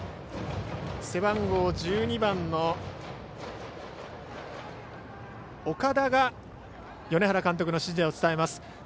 背番号１２番の岡田が米原監督の指示を伝えます。